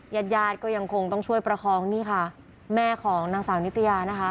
ญาติญาติก็ยังคงต้องช่วยประคองนี่ค่ะแม่ของนางสาวนิตยานะคะ